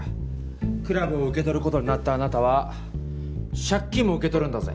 クラブを受け取ることになったあなたは借金も受け取るんだＺＥ。